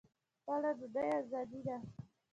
خپله ډوډۍ ازادي ده.